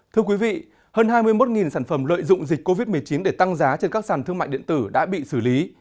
thưa quý vị hơn hai mươi một sản phẩm lợi dụng dịch covid một mươi chín để tăng giá trên các sàn thương mại điện tử đã bị xử lý